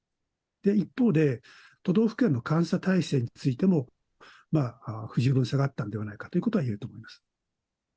一方で、都道府県の監査体制についても、不十分さがあったんではないかということはいえると思います。